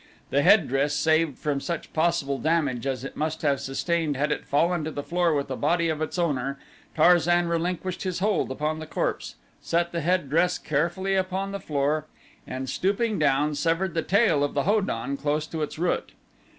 The headdress saved from such possible damage as it must have sustained had it fallen to the floor with the body of its owner, Tarzan relinquished his hold upon the corpse, set the headdress carefully upon the floor and stooping down severed the tail of the Ho don close to its root.